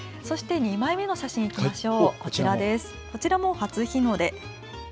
２枚目の写真いきましょう。